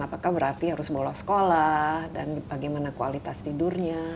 apakah berarti harus bolos sekolah dan bagaimana kualitas tidurnya